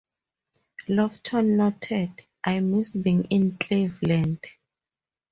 Lofton noted, I missed being in Cleveland...